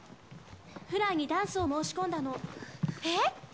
フラーにダンスを申し込んだのえっ！